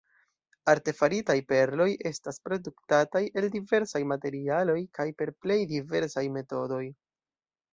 Artefaritaj perloj estas produktataj el diversaj materialoj kaj per plej diversaj metodoj.